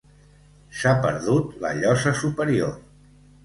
S'ha perdut la llosa superior.